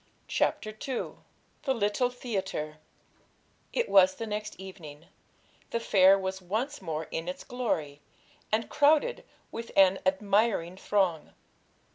CHAPTER II THE LITTLE THEATRE It was the next evening; the fair was once more in its glory, and crowded with an admiring throng.